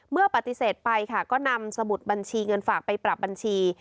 เมื่อปฏิเสธไปค่ะก็นำสมุดบัญชีเงินฝากไปปรับบัญชี